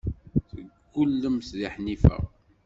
Teggullemt deg Ḥnifa.